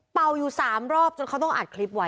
อยู่๓รอบจนเขาต้องอัดคลิปไว้